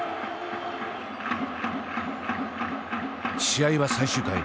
試合は最終回。